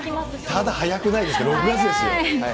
ただ早くないですか、６月ですよ。